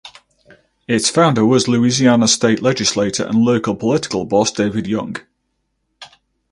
Its founder was Louisiana state legislator and local political boss David Young.